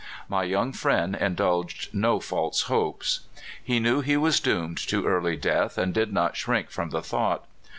My young friend indulged no false hopes. (318) AT THE END. 319 He knew he was doomed to early death, and did not shrink from the thought.